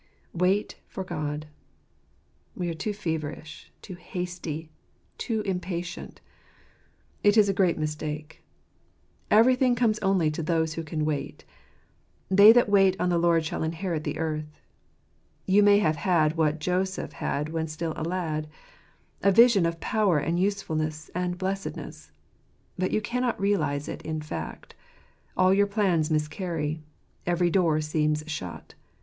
Wait for God / We are too feverish, too hasty, too impatient. It is a great mistake. Everything comes only to those who can wait. " They that wait on the Lord shall inherit the earth." You may have had what Joseph had when still a lad — a vision of power and usefulness and blessedness. But you cannot realize it in fact All your plans miscarry. Every door seems shut.